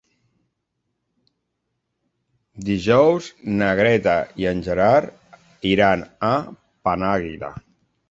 Dijous na Greta i en Gerard iran a Penàguila.